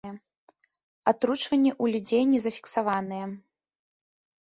Атручванні ў людзей не зафіксаваныя.